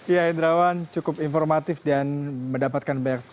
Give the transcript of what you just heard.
ya hidrawan cukup informatif dan mendapatkan banyak sekali informasi yang penting